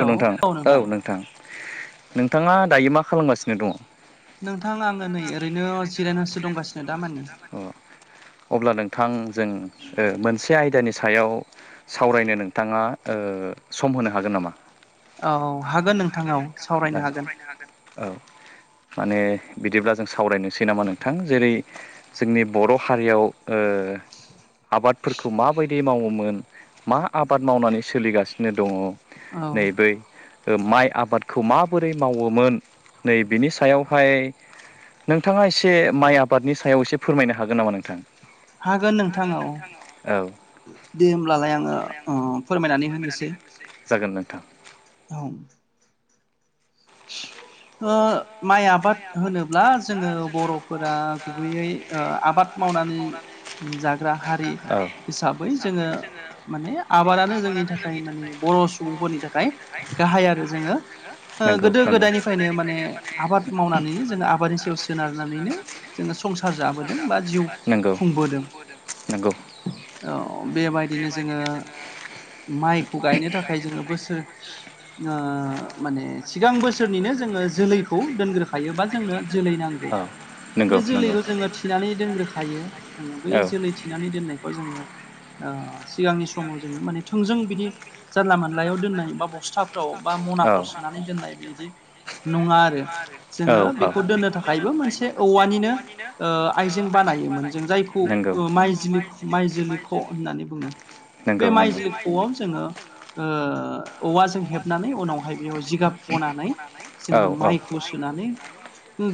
औ नोंथां औ नोंथां नोंथाङा दायो मा खालामगासिनो दङ? नोंथांआङो नै ओरैनो जिरायनासो दंगासिनो अब्ला नोंथां जों मोनसे आयदानि सायाव सावरायनो नोंथाङा सम होनो हागोन नामा? औ हागोन नोंथा औ सावरायनो हागोन औ औ माने बिदिब्ला जों सावरायनोसै नामा नोंथां जेरै जोंनि बर' हारियाव ओ आबादफोरखौ माबायदि मावोमोन मा आबाद मावनानै सोलिगासिनो दङ' नै बै माइ आबादखौ माबोरै मावोमोन नै बिनि सायावहाय नोंथाङा एसे माइ आबादनि सायाव एसे फोरमायनो हागोन नामा नोंथां? हागोन नोंथां औदे होमब्लालाय आङो अ फोरमायनानै होनोसै जागोन नोंथां उम ओ माइ आबाद होनोबा ब्ला जोङो बर'फोरा गुबैयै ओ आबाद मावनानै जाग्रा हारि हिसाबै जोङो माने आबादानो जोंनि थाखाय माने बर' सुबुंफोरनि थाखाय गाहाय आरो जोङो गोदो-गोदायनिफ्रायनो माने आबाद मावनानैनो जोङो आबाद सोनारनानैनो जोङो संसार जाबोदों बा जिउ खुंबोदों औ बेबायदिनो जोङो माइखौ गायनो थाखाय जोङो बोसोर ओ सिगां बोसोरनिनो जोङो जोलैखौ दोनग्रोखायो बा जोंनो जोलै नांगौ बे जोलैल' जोङो थिनानै दोनग्रोखायो जोङो बै जोलै थिनानै दोननायखौ जोङो ओ सिगांनि समाव जोङो माने थोंजों बिदि जानला मोनलायाव दोननाय बा बसथु थाफ्राव बा मनाफ्राव सोनानै दोननाय बिदि नङा आरो जोङो बेखौ दोननो थाखायबो मोनसे औवानिनो ओ आइजें बानाय नायोमोन जों जायखौ माइ जोलैख' होननानै बुङो बे माइजोलै ख'आव जोङो औवाजों हेबनानै उनावहाय बेयाव जों जिगाब बनानै जोङो माइखौ सोनानै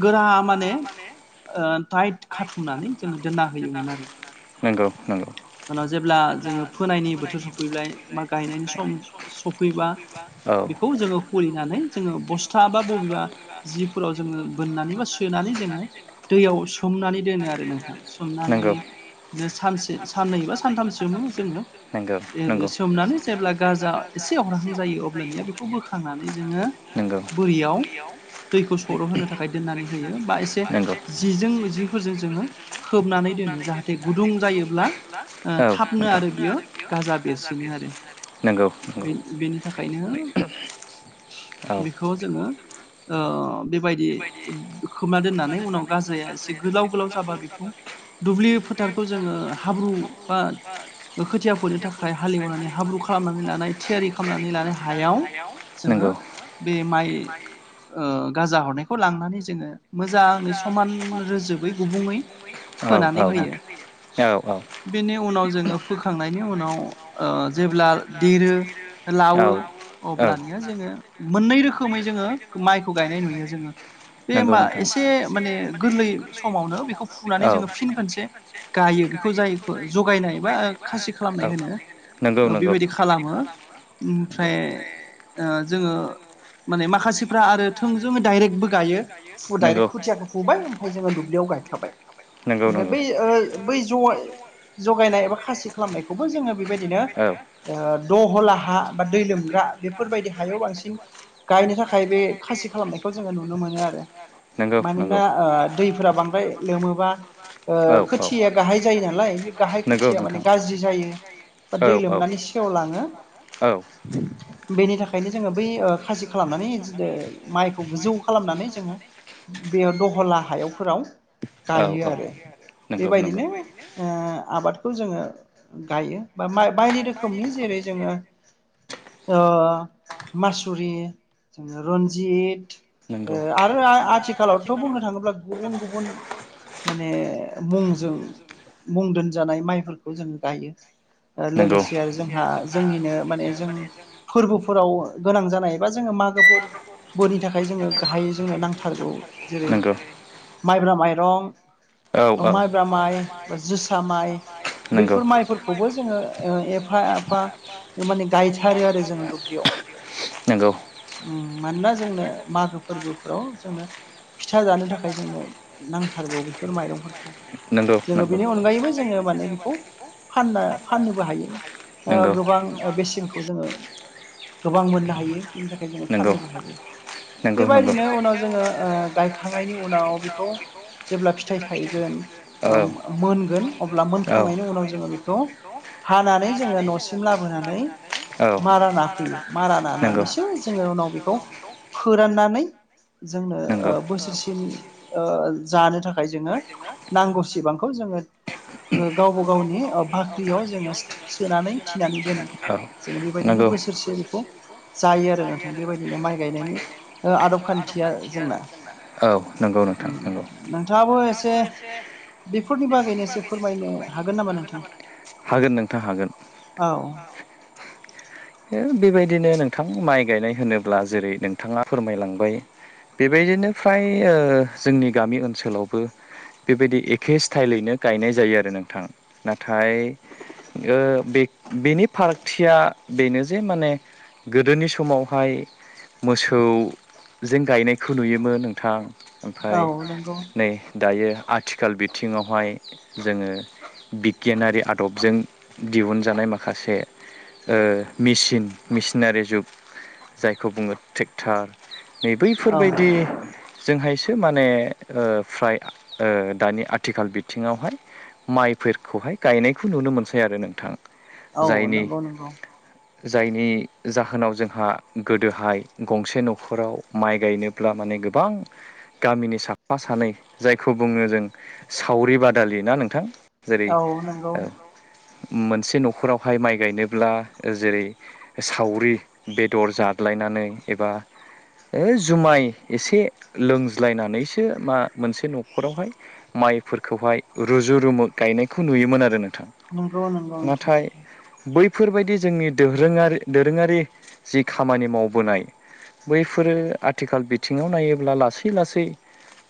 गोरा माने ओ टाइट खाथुमनानै जोङो दोनना होयोमोन आरो उनाव जेब्ला जोङो फोनायनि बोथोर सफैबाय मा गायनायनि सम सफैबाय औ खुलिनानै जोङो बसथा बा बबेबा जिफोराव जोङो बोननानै बा सोनानै जोङो दैयाव सोमनानै दोनो आरो नोंथां सोमनानै सानसे साननै बा सानथाम सोमो जोङो सोमनानै जेब्ला गाजा एसे हां जायो अब्लाया बेखौ बोखांनानै जोङो बोरैयाव दैखौ सर' होनो थाखाय दोननानै होयो बा एसे जिजों जिफोरजों जोङो खोबनानै खोबनानै दोन जाहाथे गुदुं जायोब्लााबनो आरो बेयो गाजा बेरो नंगौ नंगौ थाखायनो बेखौ जोङो ओ जिबायदि खोमना दोननानै उनाव गाजाया एसे गोलाव गोलाव जाबा बेखायनो दुब्लि फोथारखौ जोङो हाबु बा खोथिया बोनो थाखाय हालेवनानै हाब्रु खालामनानै लानाय थियारि खालामनानै लानाय जानो हायाव जोङो बे माइ ओ गाजा हरनायखौ लांनानै जोङो मोजाङै समान रोजोबै गुबुङै फोनानै होयो औ औ बेनि उनाव जोङो फोखांनायनि उनाव ओ जेब्ला देरो लावो अब्लानिया जोङो मोननै रोखोमै जोङो माइखौ गायनाय नुयो जोङो बे मा एसे माने गोरलै समावनो बेखौ फुनानै जोङो फिन खोनसे गायो बेखौ जायखौ जगायनाय बा खासि खालामनाय होनो औ बेबायदि खालामो ओमफ्राय जोङो माने माखासे फ्रा आरो थोंजोजोंङैनो दडाइरेक्टबो गायो डाइरेक्ट खुथियाखौ फुबाय ओमफ्राय जोङो दुब्लियाव गायखाबाय ओमफ्राय बै ओ बै जय जगायनाय एबा खासि खालामनायखौबो जोङो बेबायदिनो ओ दहला हा बा दै लोमग्रा बेफोरबायदि हायाव बांसिन गायनो थाखाय बे खासि खालामनायखौ जोङो नुनो मोनो आरो मानोना दैफोरा बां- द्राय लोमोबा ओ खोथिया या गाहाय जायो नालाय बे गाहाय खोथिया माने गाज्रि जायो बा दै लोमनानै सेवलाङो बेनि थाखायनो जोङो बै ओ खासि खालामनानै माइखौ गोजौ खालामनानै जोङो बेयाव दहला हायावफोराव गायो आरो बेबायदिनो ओ आबाद खौ जोङो गायो बा मा बायदि रोखोमनि जेरै जोङो ओ मासुरि जोङो रन्जित ओ आरो आथिखालावथ' बुंनो थाङोब्ला गुबुन गुबुन माने मुंजों मुं दोनजानाय माइफोरखौ जोङो गायो ओ लोगोसे आरो जोंहा जोंनिनो माने जों फोराव गोनां जानाय एबा जों मागोफोर बोनि थाखाय जोङो गाहायै जोंनो नांथारगौ जेरै माइब्रा माइरं माइब्रा माइ जोसा माइ बैफोर माइफोरखौबो जोङो ओ एफा एफा माने गायथारो आरो जोङो दुब्लियाव उम मानोना जोंनो मागो फोरबोफ्राव जोंनो फिथा जानो थाखाय जोंनो नांथारगौ बेफोर माइ- जोङो बेनि अनगायैबो जोङो माने बेखौ फाननो फाननोबो हायो गोबां बेसेनखौ जोङो गोबां मोननो हायो बिनि थाखाय जोङो फाननोबो हायो। बेबायदिनो उनाव जोङो ओ गायखांनायनि उनाव बेखौ जेब्ला फि- फिथाइ थायगोन ओ मोनगोन अब्ला मोनखांनायनि उनाव जोङो बेखौ हानानै जोङो न'सिम लाबोनानै मारा ना फैयो मारा नानानैसो जोङो उनाव बेखौ फोराननानै जोंनो ओ बोसोरसेनि ओ जानो थाखाय जोङो नांगौसेबांखौ जोङो ओ गावबा गावनि ओ बाख्रियाव जोङो सोनानै थिनानै दोनो जोङो बेबायदिनो बोसोरसे बेखौ जायो आरो नोंथां बेबायदिनो माइ गायनायनि आदब खान्थिया जोंना। उम नोंथाङाबो एसे बेफोरनि बागैनो एसे फोरमायनो हागोन नामा नोंथां था हागोन बेबायदिनो नोंथां माइ गायनाय होनोब्ला जेरै नोंथाङा फोरमायलांबाय बेबायदिनो फ्राय ओ जोंनि गामि ओनसोलावबो बेबायदि एखे स्टाइलैनो गायनाय जायो आरो नोंथां नाथाय ओ बे बेनि फारागथिया बेनो जे माने गोदोनि समावहाय मोसौजों गायनायखौ नुयोमोन नोंथां ओमफ्राय नै दायो आथिखाल बिथिङावहाय जोङो बिगियानारि आदबजों दिहुनजानाय माखासे ओ मिसिन मिसिनारि जुग जायखौ बुङो ट्रेक्टार नै बैफोरबायदि जोंहाय माने ओ फ्राय ओ दानि आथिखाल बिथिङावहाय माइफोरखौहाय गायनायखौ नुनो मोनसै आरो नोंथां। औ नंगौ नंगौ। जायनि जाहोनाव जोंहा गोदोहाय गंसे न'खराव माइ गायनोब्ला मा- माने गोबां गामिनि साफा सानै जायखौ बुङो जों सावरि बादालि ना नोंथां जेरै मोनसे न'खरावहाय माइ गायनो ब्ला जेरै सावरि बेदर जादज्लायनानै एबा जुमाय एसे लोंज्लायनानैसो मा मोनसे न'खरावहाय माइफोरखौहाय रुजु रुमु गायनायखौ नुयोमोन आरो नों नोंगौ नोंगौ नोंथां बेफोरबायदि जोंनि दोरोङारि दोरोङारि जि खामानि मावबोनाय बैफोरो आथिखाल बिथिङाव नायोब्ला लासै लासै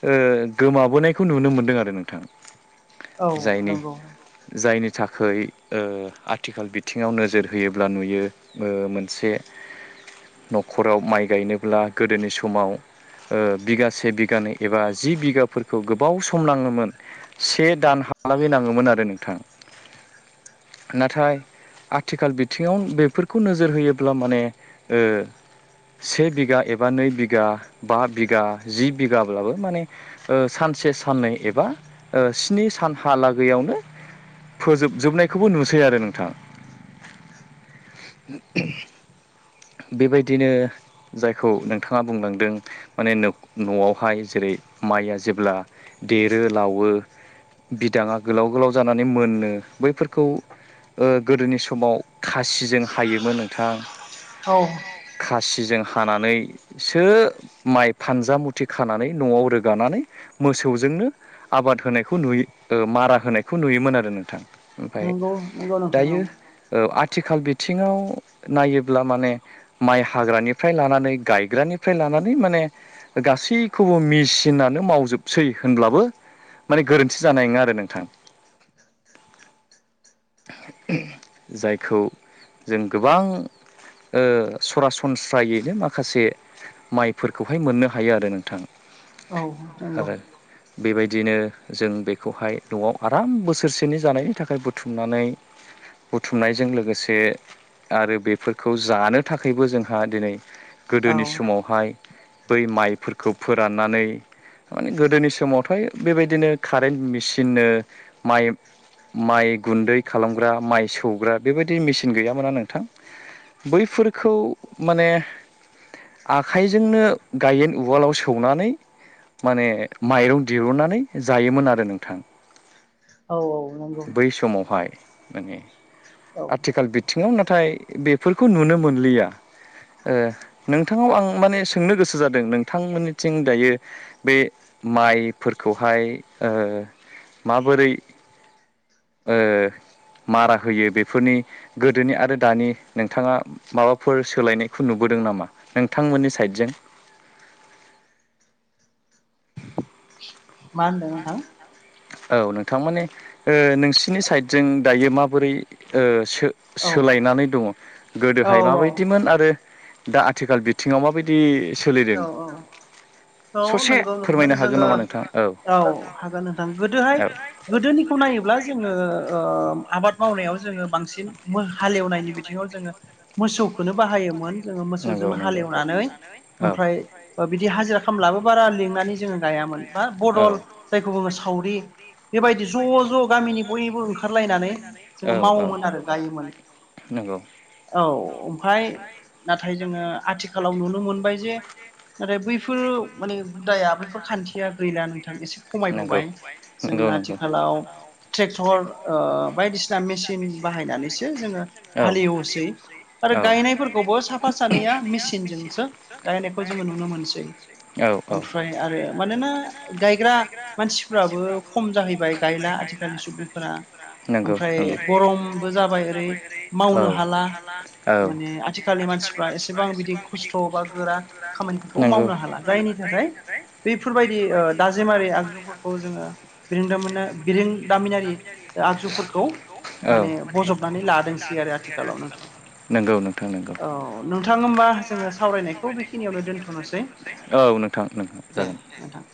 ओ गोमाबोनायखौ नुनो मोनदों आरो नोंथां जायनि जायनि थाखाय ओ आथिखाल बि थिङाव नोजोर होयोब्ला नुयो मोनसे न'खराव माइ गायनोब्ला गोदोनि समाव ओ बिगासे बिगानै एबा जि बिगाफोरखौ गोबाव सम नाङोमोन से दान हालागै नाङोमोन आरो नोंथां नाथाय आथिखाल बिथिङाव बेफोरखौ नोजोर होयोब्ला माने ओ से बिघा एबा नै बिघा बा बिघा जि बिघाब्लाबो माने सान से साननै एबा स्नि सानहालागैआवनो फोजोबजोबनायखौबो नुसै आरो नोंथाङा बेबायदिनो जायखौ नोंथाङा बुंलांदों माने न'आवहाय जेरै माइआ जेब्ला देरो लावो बिदाङा गोलाव गोलाव जानानै मोनो बैफोरखौ गोदोनि समाव खासिजों हायोमोन नोंथां औ खासिजों हानानैसो माइ फानजामुथि खानानै न'आव रोगानानै मोसौजोंनो आबाद होनायखौ नुयो मारा होनायखौ नुयोमोन आरो नोंथां नंगौ नोंगौ नोंथां दायो ओ आ थिखाल बिथिङाव नायोब्ला माने माइ हाग्रानिफ्राय लानानै गायग्रानिफ्राय लाना नै माने गासैखौबो मेचिनानो मावजोबसै होनब्लाबो माने गोरोन्थि जानाय नङा आरो नोंथां जायखौ जों गोबां ओ सरासनस्रायैनो माखासे माइफोरखौहाय मोननो हायो आरो नोंथां। औ नंगौ बेबायदिनो जों बेखौहाय न'आव आराम बोसोरसेनि जानायनि थाखाय बुथुमनानै बुथुमनायजों लोगोसे आरो बेफोरखौ जानो थाखायबो जोंहा दिनै गोदोनि समावहाय बै माइफोरखौ फोराननानै माने गोदोनि समावथ' बेबायदिनो कारेन्ट मेचिननो माइ माइ गुन्दै खालामग्रा माइ सौग्रा बेबायदि मेसििन गैयामोना नोंथां बैफोरखौ माने आखाइजोंनो गायेन उवालाव सौनानै माने माइरं दिहुननानै जायोमोन आरो नोंथां औ औ नंगौ माने आथिखाल बिथिङाव नाथाय बेफोरखौ नुनो मोनलिया नोंथाङाव आं माने सोंनो गोसो जादों नोंथांमोननिथिं दायो बे माइफोरखौहाय ओ माबोरै ओ मारा होयो बेफोरनि गोदोनि आरो दानि नोंथाङा माबाफोर सोलायनायखौ नु बोदों नामा नोंथांमोननि साइदजों? मा होनदों नोंथां औ नोंथां माने ओ नोंसिनि साइडजों दायो माबोरै ओ सो सो सोलायनानै दङ' गोदोहाय माबायदिमोन आरो दा आथिखाल बिथिङाव माबायदि सोलिदों? औ नोंगौ नोंथां जोङो औ हागोन नोंथां गोदोहाय गोदोनिखौ नायोब्ला जोङो ओ आबाद मावनायाव जोङो बांसिन हालेवनायनि बिथिङाव जोङो मोसौखोनो बाहायोमोन जोङो मोसौजोनो हालेवनानै ओमफ्राय बिदि हाजिरा खामलाबो बारा लिंनानै जोङो गायामोन बा बदल जायखौ बुङो सावरि बेबायदि ज' ज' गामिनि बयबो ओंखारलायनानै जोङो मावोमोन आरो गायोमोन औ ओमफाय नाथाय जोङो आथिखालाव नुनो मोनबाय जे नाथाय बैफोर माने हुदाया बैफोर खानथिया गैला नोंथां इसे खमायबोबाय जोङो आथिखालाव ट्रेक्टर बायदि सिना मेसिन बाहायनानैसो जोङो हालेवसै आरो गायनायफोरखौबो साफा सानै या मेचिनजोंसो गायनायखौ जोङो नुनो मोनसै ओमफ्राय आरो मानोना गायग्रा मानसिफ्राबो खम जाहैबाय गायला आथिखालनि सुबुंफोरा ओमफ्राय गरमबो जाबाय ओरै मावनो हाला माने आथिखालनि मानसिफोरा एसे बिदि खस्थ' बा गोरा खामानिफोरखौ मावनो हाला जायनि थाखाय बैफोरबायदि ओ दाजेमारि आगजुफोरखौ जोङो बिरोंदामोना बिरोंदामिनारि आगजुफोरखौ खौ माने बज'बनानै लादोंसै आरो आथिखालाव नोंथां औ नोंथां होमबा जोङो सावरायनायखौ बेखिनियावनो दोनथ'नोसै औ नोंथां नोंथां जागोन ।